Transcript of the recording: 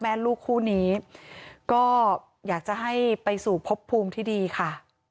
แม่ลูกคู่นี้ก็อยากจะให้ไปสู่พบภูมิที่ดีค่ะ